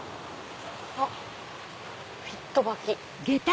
あっ「フィット履」。